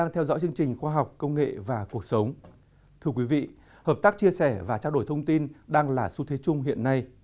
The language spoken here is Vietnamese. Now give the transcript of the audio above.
thưa quý vị hợp tác chia sẻ và trao đổi thông tin đang là xu thế chung hiện nay